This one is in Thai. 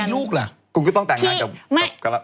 อะไรกับว่าฉันอยากมีลูกล่ะ